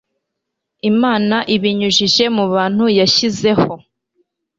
imana ibinyujije mu bantu yashyizeho